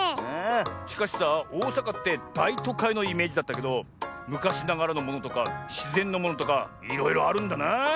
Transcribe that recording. しかしさおおさかってだいとかいのイメージだったけどむかしながらのものとかしぜんのものとかいろいろあるんだな！